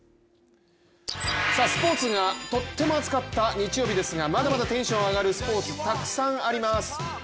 スポーツがとっても熱かった日曜日ですがまだまだテンション上がるスポーツたくさんあります。